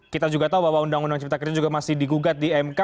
kita juga tahu bahwa undang undang cipta kerja juga masih digugat di mk